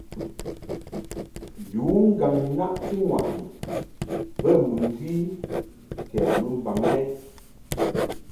Yu ŋgàŋ-naʼti-ŋwàʼni bə mɨŋgwi kɛ mɨmbaŋ ɛ ?